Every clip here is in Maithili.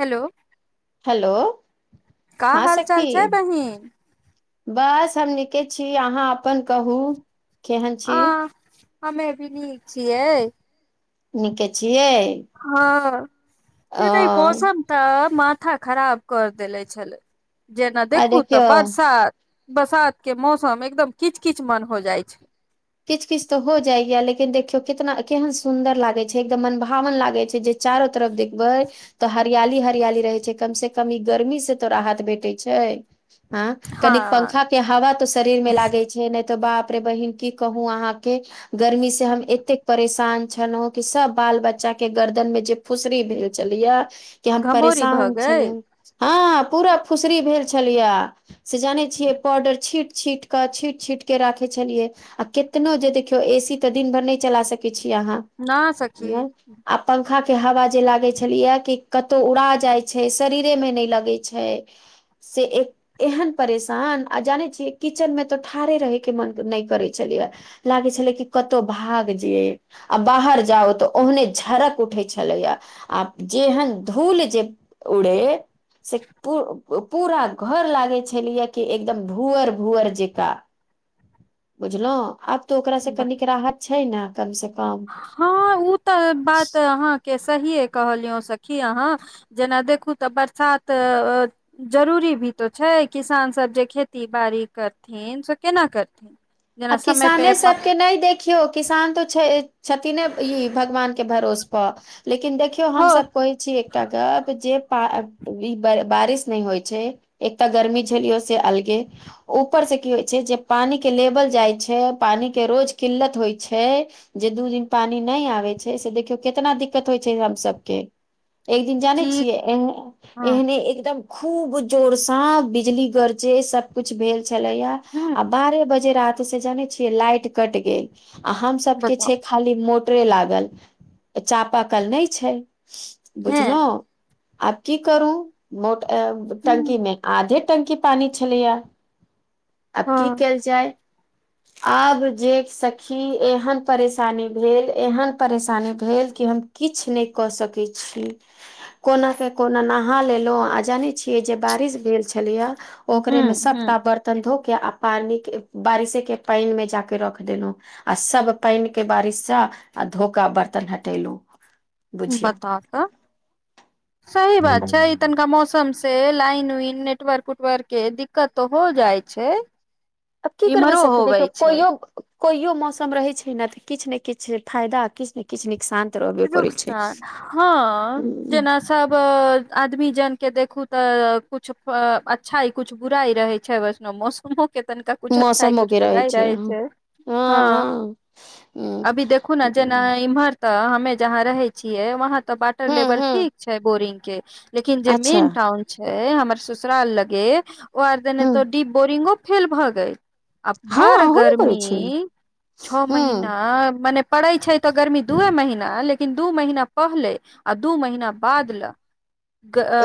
हेलो। हलो। का हाल चाल छै बहिन। बस हम नीके छी अहाँ अपन कहू। केहन छी आं हमे भी नीक छियै। निके छियै। हँ अ ई त ई मो। त माथा खराब कर देेले छलै जेना आ देखु त देखियौ बरसात। बरसात के मौसम एकदम किच किच मन हो जाइ छै। किच किच त हो जाइ है लेकिन देखियौ केितना केहन सुन्दर लागै छै एकदम मनभावन लागे छै जे चारो तरफ देख। बै त हरियाली हरियाली रहै छै कम से कम ई गर्मी से त राहत भेटै छै। ऐं हँ कनिक पंखा के हवा त शरीर में लागै छै नै त बाप रे बहिन की कहु अहाँके गर्मी से हम एतेक। परेशान छलहुं कि सब बाल बच्चा के गर्दन मे जे फुंसरी भेल छलैअ से हम घमौरी भऽ परेशान गेल छलो। हँ पूरा फुंसरी भेल छलैया से जानै छियै पाउडर छींट छींट क छींट छींट के राखै छलियै आ केतनो जे देखियौ ए सी त दिन भर नै चला सकै छियै अहाँ। न सखी [unintelligible] पंखा के हवा जे लागै छलैए कि कतौ उड़ा जाइ छै शरीरे मे नै लगै छै। से एक एहन परेशान आ जानै छिअइ किचेन मे त ठारे रहै के मन नहि करै चलिअ लागै छलै कि कतौ भाग जैअइ। आ बाहर जाउ त ओहने झरक उठै छलैया आ जेहन धूल जे उड़े। से पू पूरा घर लागै छलै कि एकदम भूअर भूअर जकां। बुझलौं आब त ओकरा से कनिक राहत छै न कम से कम। हँ उ त बात अहाँके सहिए कहलिअउं सखी अहाँ। जेना देखू त बरसात अऽ जरूरी भी तो छै, किसान सभ जे खेती बाड़ी करथिन से केना करथिन? आ जेना समय पे किसाने प- सबके नहि देख खियौ किसान त छै-छथिने ई भगवान के भरोस पर, लेकिन देखियौ हो हमसब कहै छी एकटा गप जे पा-अ-ई-ब बारिश नै होइ छै एकटा गर्मी झेलियौ से अलगे, ऊपर से की होइ छै, जे पानी के लेवल जाइ छै पानी के रोज किल्लत होइ छै जे दू दिन पानि नय आबै छै, से देखियौ केतना दिक्कत होइ छै हम सब के। एक दिन जानै कि छियै? हँ एन-एहने एकदम खूब जोर सा बिजली गरजे सत कुछ भेल छलैया, ह आ बारहे बजे राति से जानै छियै लाइट कट गेल। आ हम सब के बताउ छै खाली मोट टरे लागल, चापाकल नय छै हैं बुझलौं? आब की करू? मोट-अ टंकी ह मे आधे टंकी पानी छलैया, आब की कयल जाय? आब जे सखी एहन परेशानी भेल एहन परेश सानी भेल कि हम किछ नय कऽ सकै छी। कोना क कोना नहा लेलौं, आ जानै छियै जे बारिश भेल छलैया ओकरे मे सबटा ह बर्तन धो के, आ पानि के बारिशे के पाइन में जाके रख देलौं। आ सब पइन के बारिश सँ, आ धो के आ बर्तन हटेलुं। बताऊ ता? सही बात छै ई तनिका मौसम स से लाइन-उइन, नेटवर्क-उटवर्क के दिक्कत त हो जाय छै। आब की करबै इम्हरो सखी? देखियौ होवे छै कोइयो कोइयो मौसम रहे छै न तऽ किछ ने किछ फायदा किछ ने किछ नुकसान तऽ रहबे करै छै रुकसान हँ जेना सब वऽ आदमी जान के देखु तऽ कुछ अच्छाई कुछ बुराइ रहे छै, वैसनो मौसम [unintelligible] के तनिका कुछ अच्छाई मौसमो कुछ के रहै बुराई रहे छै। हँ, अभी देखू ने जेना हूँ इम्हर तऽ हमे जहाँ रहै छियै, वहां तऽ वाटर लेवल हूँ ठीक छै बोरिंग के। लेकिन जे अच्छा मेन टाउन छै हमर ससुराल लगे, ओ आर देने हूँ डीप बोरिंगो फेल भऽ गेल, आ हँ भर होबे करै गर्मी छै छऽ हूँ महिना मने पड़ै छै तऽ गर्मी दूए महीना, लेकिन दू महीना पहले आ दू महीना बाद लऽ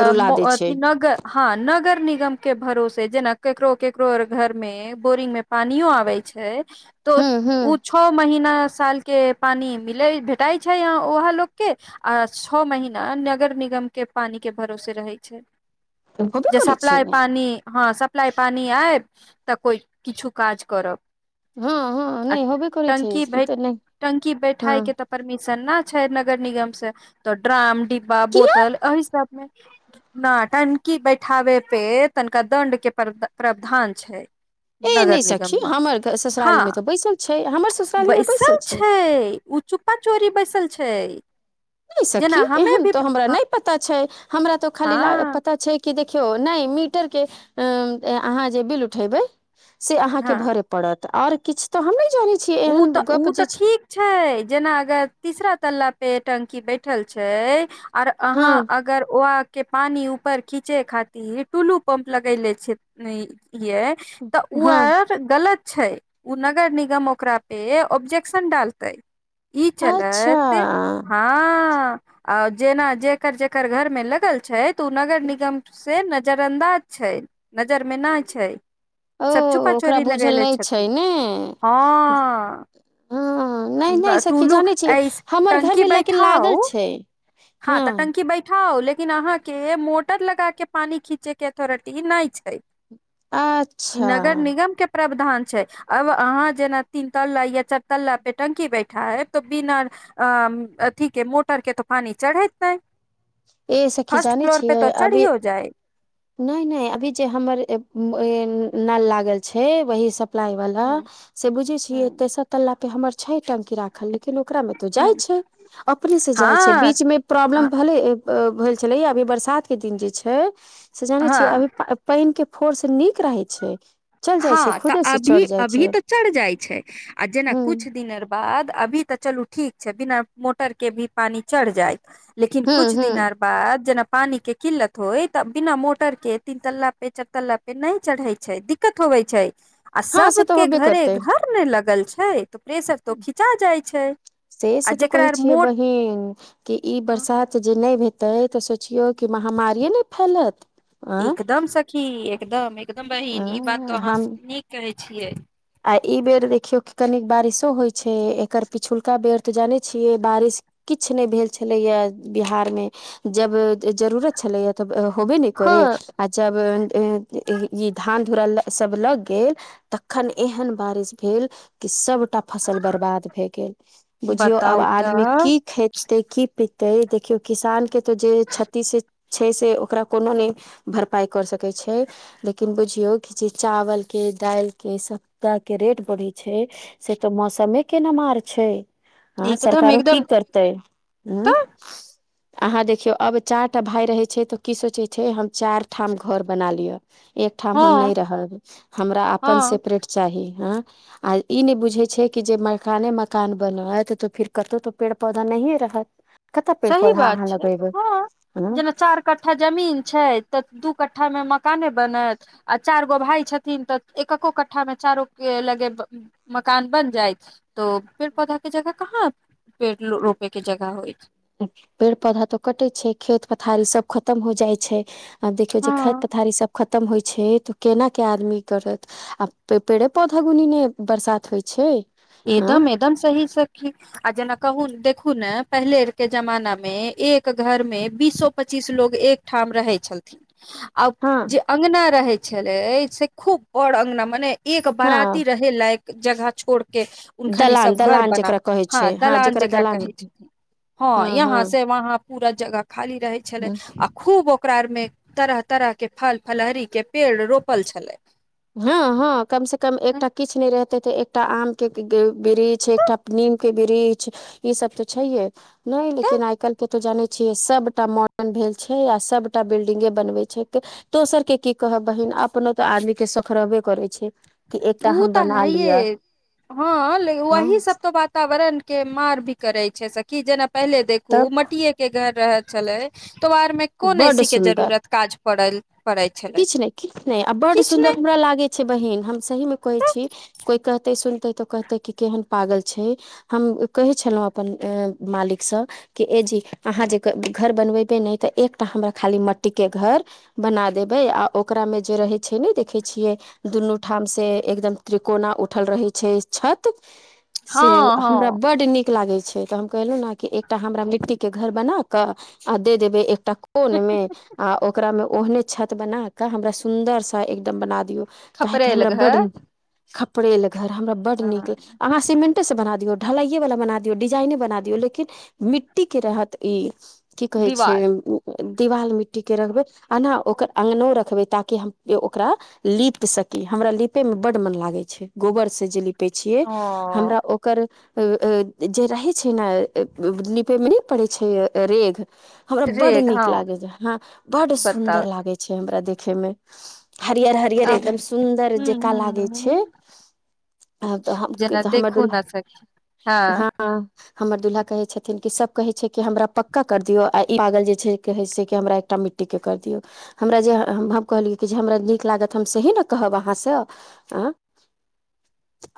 रुला दै छै हँ, नगर निगम के भरोसे जेना केकरो केकरो आर घर में बोरिंग में पानियो आबे छै तो हूँ हूँ ऊ छऽ महीना साल के पानि मिलै धेत तई छै आं ओहैऽ लोक के। आ छऽ महीना नगर निगम के पानी के भरोसे रहै छै। होबे जे करै छै सप्लाइ ने। पानी, हँ सप प्लाई पानी आयत तऽ कोइ किछु काज करब। हँ हँ आ, नहि होबे करै छै टंकी ई तऽ नहि भैट-टंकी हँ बैठाय के तब परमिशन न छै नगर निगम स, त ड्राम डीब् बा किया बोतल एहि सब में न, टंकी बैठाबे पे तनिका दण्ड के प्रद-प्रावधान छै। ए नहि नगर सखी निगम मऽ, हमर हँ। ससुरारी मे तऽ बैसल छै, हमर स बैसल छइ, ओ चुप्पा चोरी बैसल छै। नय जेना सखी हमे एहन भी त हमरा हँ नय पता छै, हमरा तो खाली ला हँ पता छै कि देखियौ नै मीटर के अहाँ जे बिल उठेबै से अहां के हँ भरे पड़त और किछ तऽ हम नै जनैत छी। ऊ तऽ ऊ तऽ ठीक छै, जेना अगर तीसरा तल्ला पे टंकी बैठल छै आर हँ अहाँ अगर के पानी ऊपर खींचे खातिर टूलू पंप लगैले छै यै। तऽ ऊ हँ आर गलत छै ऊ नगर निगम ओकरा पे ऑब्जेक्शन डालतै ई अच्छा चलत हँ। आ जेना जेकर जेकर घर मे लगल छै तऽ ऊ नगर निगम से नजर अंदाज छैय नजरमे नै छैय। ओ सब चुपा ओकरा चोरी बुझल लगेने नहि छै छथिन। ने हॅं, हँ नहि नहि सखी टूलू जानै छियै ऐछ हमर टंकी घरमे लेकिन लागल बैठाऊ। छै हँ तऽ टंकी बै ठाउ लेकिन अहां के मोटर लगा के पानी खींचे के अथोरिटी नै छैय। इ अच्छा नगर निगम के प्रावधान छैय आब अहां जेना तीन तल्ला या चारि तल्ला पे टंकी बैठायब तऽ बिना अ अथी के मोटर के तऽ पानि चढ़ैत नै। ए सखी फस्ट फ्लोर पे तऽ चढ़ियो जाएत। नै नै अभी जे हमर एक नल लागल छैय वही सब सपलाई वाला ह से बुझैय ह छीयै तेसर तल्ला पे हमर छय टंकी राखल लेकिन ओकरा मे त ह जाइ छैय अपने से जाइ छैय बीचमे प्रॉब्लम हँ भेलय, भेल छलैये अभी बरसात के दिन जे छैय से जानै छियै हँ अभी पानि के फोर्स नीक रहय छैय। हॅं तऽ अभी अभी त चढ़ जाय छैय आ जेना ह कुछ दिन बाद अभी तऽ चलु ठीक छैय बिना मोटर के भी पानी चढ़ जायत, लेकिन ह कुछ ह दिन आर बाद जेना पानी के किल्लत होइ तऽ बिना मोटर के तीन तल्ला पे चार तल्ला पे नै चढ़य छैय दिक दिक्कत होवय छैय आ हँ सब से तऽ के होबे घरे करतै घर न लगल छैय। त प्रेशर त खीचा जाइ छैय से आ से तऽ कहै जेकरा मोट [inaudible] कि ई हँ, बरसात जे नै हेतय तऽ सोचियौ कि महामारिए ने फैलत। आँ एकदम सखी एकदम एकदम बहिन इ बात आँ तऽ अहां हम नीक कहैय छियै। आ इ बेर देखियौ कनिक बारिसो होइ छैय एकर पिछुलका बेर तऽ जानै छियै बारिस किछ नै भेल छलैयै बिहारमे जब जरूरत छलैये तऽ होबे नै हँ करैय, आ जब इ धान धुरा सब लग गेल तखन एहन बारिस भेल कि सबटा फसल बर्बाद भए गेल। बुझियो आब बताउ आदमी तऽ की खेतै तैय की पितैय देखियौ किसान के त जे क्षति से छैय से ओकरा कोनो नै भरपाइ करि सकैत छैय लेकिन बुझियौ कि जे चावल के दालिके सब टा के रेट बढ़ैय छैय से तऽ मौसमे के न मार छैय। हॅं एकदम सरकारो की एकदम करतै। हॅं, तऽ अहां देखियौ अब चारि टा भाय रहैय छैय तऽ की सोचैय छैय हम चारि ठाम घर बना लियऽ। एकठाम हम नै हँ रहब हमरा अपन हँ सेपरेट चाही हँ आ नै बुझैय छैय कि जे मकाने मकान बनत तऽ फेर कतहु तऽ पेड़ पौधा नहिए रहत। कतह पेड़ सही पौधा अहाँ लगेबैय ह कठ्ठा जमीन छैय तऽ दु कट्ठा में मकाने बनत आ चारि गो भाय छथिन तऽ एकको कठ्ठा मे चारो के लगे मकान बन जायत तो पेड़ पौधा के जगह कहा पेड़ रोपे के जगह होइ छै, पेड़ पौधा तऽ कटैय छै खेत पथारी सब खतम हो जाइ छैय। आ देखियौ जे खेत हँ पथारी सब खतम होइत छैय तऽ ओ केनाके आदमी करत आ पेड़े पौधा गुनी न बरसात होइ छै आँ एदमे एकदम सही सखी आ जेना कहु देखु न पहिले के जमानामे एक टा घरमे बीसो पच्चीस लोग एकठाम रहय छलैय। आब हँ जे अंगना रहै छलैय से खुब बड़ अंगना मने एक बाराती हँ रहे लायक जगह छोड़ के घनि इ दलान सब घर दलान बनाउ जेकरा कहै हँ छै दलान जेकरा जकरा दलान कहैय छैय। हँ यहाँ से वहाँ पूरा जगह खाली रहे छले हँ आ खूब, ओकरा में तरह तरह के फल फलहरी के पेड़ रोपल छले हँ हँ कम से कम एकटा किछ नहि रहतै तऽ एकटा आम के बृक्ष एकटा नीम के बृक्ष ई सब त छै तऽ लेकिन आइ काईल के तऽ जानै छियै सबटा मॉडर्न भेल छै आ सबटा बिल्डिंगे बनवै छै ए दोसरके की कहब बहिन अपनो तऽ आदमीके सख रहबे करै छै! कि एकटा ओ हम तऽ बना है लिअ ये हँ लेकिन हँ वही सब तो बात वातावरण के मार भी करै छै सखी जेना पहिले देखू तब मटिये के के घर रह छले तो आर मे कोन बड्ड एसी के जरूरत काज पड़ल? पड़ै छलै किछ नहि किछ नहि आ बड्ड किछ सुन्दर नहि हमरा लागै छै बहिन हम सही मे कहै छी? कोई कहतै सुनतै तऽ कहतै की केहन पागल छै, हम कहै छलहुँ अपन ए मालिकसँ कि ए जी अहाँ जे घर बनबेबै नहि तऽ एकटा हमरा खाली मट्टीके घर बना देबै आ ओकरामे जे रहै छै नहि देखै छियै दुनू ठामसँ एकदम त्रिकोना उठल रहै छै छत, से हँ हमरा हँ बड नीक लागै छै तऽ हम कहलहु ने एकटा हमरा मिट्टी के घर बनाक दे देबै एकटा कोन मे आ ओकरा में ओहने छत बना क हमरा सुंदर से एकदम बना दियऔ! काहेक खपरैल हमरा बड घर निक खपड़ेल घर हमरा बड नीक, अहाँ सीमेन्टेसँ बना दौ ढलाइयएवला बना दियौ डिजाइने बना दियौ लेकिन, मिट्टी के रहत ई! की कहै छै दिवाल दिवाल मिट्टीके रखबै आना! ओकर आँगनो रखबै ताकि हम ओकरा लीप सकी हमरा लिपे मे बड मन लागे छै गोबर से जे ली पे छियै ओ हमरा ओकर जे रहै छै ने निपयमे नहि पड़ै छै रेग [unintelligible] हमरा बड रेग नीक हँ लागै जे ह बड सुंदर बताउ लाग छै हमरा देखे मे हरियर हरिहर, आब एकदम सुन्दर हूँ जेका लागै हूँ छै, आब तऽ जेना अहमद देखू न सखी हँ [unintelligible] हमर दुल्हा कहे छथिन क सब कहे छै कि हमरा पक्का कर दिय, आ ई जे छै कहे छै कि, हमरा एकटा मिट्टी मिट्टी कर दिऔ [unintelligible] हमरा जे हम, हम कहलियै कि जे हमरा नीक लागत, हम सही ने कहब अहाँसँ।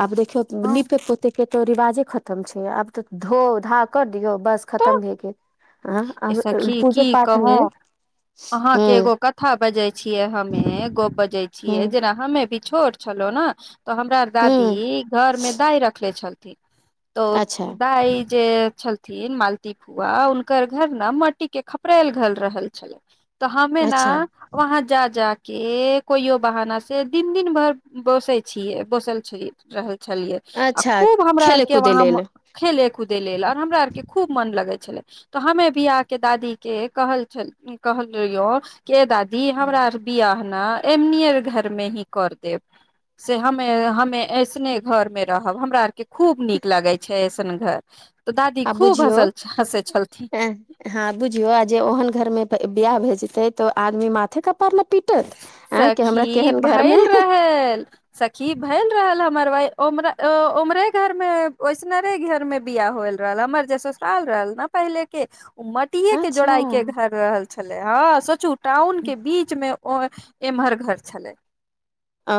आब देखियौ हँ नीपे -पोत के तो रिवाजे खतम छै, आब तऽ धो -धा कर दियौ बस तऽ खतम भए गेल। आ, ए आब सखी पूजो की पाठमे, हँ। थक जाय छियै हमे, गोप बजै छियै हूँ जेना हमे भी छोट छलौ ने। तऽ हमरा अर के हूँ दादी घर में, दाइ रखले छलथिन। तऽ अच्छा दाइ जे छलथिन, मालती फुआ! हुनकर घर ने मट्टी के खपरैल घर रहल छलै, तऽ हमे ना अच्छा वहाँ जा -जाके कोइ बहाना से, दिन -दिन भरि बसै छियै, बोसल छलिये। रह छलियै, आ अच्छा खूब हमरा खेले आरके कूदे वहाँ मो लेल खेले- कूदे लेल, आऔर हमरा आर के खूब मन लगे छले। तऽ हमे भि आ के दादी के कहल छल, कहल रहियो ए दादी हमरा अर बियाह न एहने घर मे ही कर देब, से हमे ऐसने घरमे रहब, हमरा आरके खूब नीक लागै छै ऐसन घर। त दादी आ खूब बुझियौ हसल छल हसैत छल। हँ, बुझियो जे ओहन घर में बियाह भ जेतै, तो आदमी माथे -कपार न पीट सखी भेल रहल। सखी भेल रहल हमर वाय उम उमहरे घर मे वैसनरे घर में बियाह होल। रहल, हमर जे ससुराल रहल ने पहिले के, उ मा ट्टीए के अच्छा जोड़ाइ के घर रहल छलै, हं सोचू टाउन के बीच में। ओ एम्हर घर छलै, आ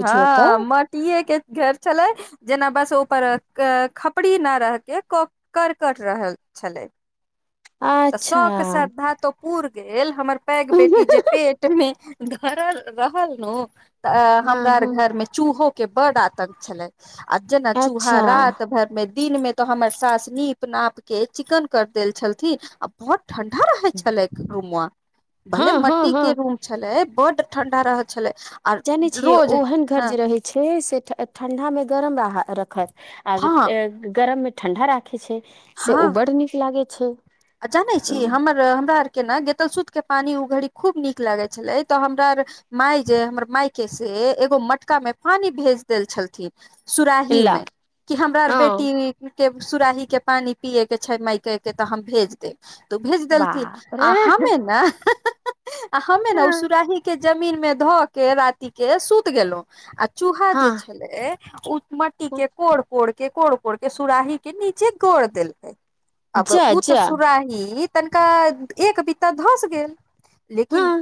बुझियौ तऽ म ट्टीएके घर छलै। जेना बस ओपर क क खपरी न रहके, क करकट रहल। छलै, त अच्छा शौक श्रद्धा तो हमर पूर गेल, हमर पै बेटी हँ जे पेट मे धरल रहल नू, त हमरा आर हँ घर मे चूहो के बड आतंक छलै, आ जेना चूहा अच्छा रात भर मे दिन मे त हमर सास नीप -नाप के चिकन कर देल छलथिन, आ भट ठंडा रहै छलैक रूममे, भले हँ म हँ हँ ट्टी छलै, बड्ड ठंडा रह छलै। आर जानै छियै, रोज ओहन घर हँ जे रहै। छै, ठ ठंडा में गरम र राखत, आ हँ टे गरम में ठंडा राख खे छै, से ओ हँ बड नीक लागै छै। जानै छी, हमर हमरा आरके ने गेतल सूत के पानी उ घड़ी खूब नीक लागै छलै, त हमरा आर माय जे हमर मायके से, एगो मटका मे पानी भेज देल छलथिन सुराही ला मे, कि हमरा आर हँ बेटी के सुराही के पानी पियै के छै मायके के, त हम भेज देब। त उ भेज देलथिन, बाप आ रे हमे न हं हं हं हमे ने उ सुराही के जमीन मे ध के रात के सूत गेलौं, आ चूहा जे हँ छलै ओ म ट्टी के, कोड़‌- कोड़ के कोड़ -कोड़ के सुराही के नीचे गड़ देलकै, अब जा उ जा सुराही तनिका अ एक बित्ता धंस गेल, हँ लेकिन